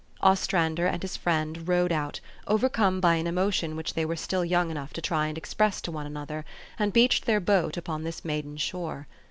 Ostrander and his friend rowed out, overcome by an emotion which they were still young enough to try and express to one another, and beached their boat upon this maiden shore.